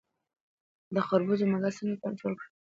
د خربوزو مګس څنګه کنټرول کړم؟